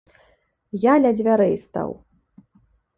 Я ля дзвярэй стаў.